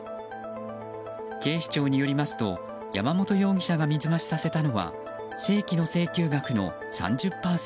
警視庁によりますと山本容疑者が水増しさせたのは正規の請求額の３０％。